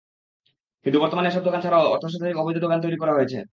কিন্তু বর্তমানে এসব দোকান ছাড়াও অর্ধশতাধিক অবৈধ দোকান তৈরি করা হয়েছে।